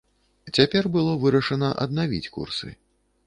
Цяпер было вырашана аднавіць курсы.